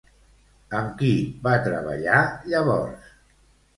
Amb qui va treballar llavors?